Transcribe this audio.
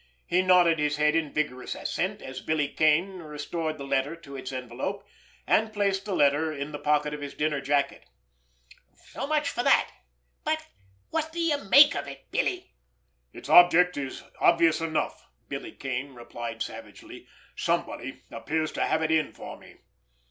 He nodded his head in vigorous assent, as Billy Kane restored the letter to its envelope, and placed the letter in the pocket of his dinner jacket. "So much for that! But what do you make of it, Billy?" "It's object is obvious enough," Billy Kane replied savagely. "Somebody appears to have it in for me."